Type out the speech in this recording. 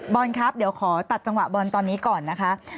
บอลครับเดี๋ยวขอตัดจังหวะบอลตอนนี้ก่อนนะคะ